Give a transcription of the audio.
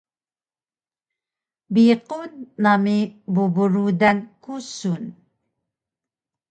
Biqun nami bubu rudan kusun